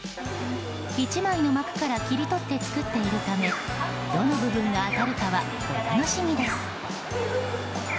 １枚の幕から切り取って作っているためどの部分が当たるかはお楽しみです。